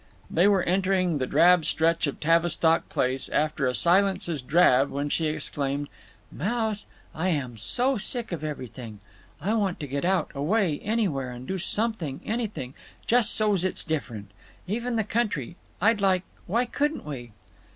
They were entering the drab stretch of Tavistock Place, after a silence as drab, when she exclaimed: "Mouse, I am so sick of everything. I want to get out, away, anywhere, and do something, anything, just so's it's different. Even the country. I'd like—Why couldn't we?"